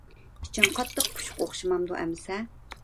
ئىچىڭ قاتتىق پۇشۇق ئوخشىمامدۇ ئەمىسە.